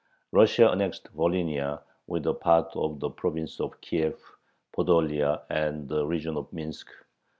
Russia annexed Volhynia, with a part of the province of Kiev, Podolia, and the region of Minsk.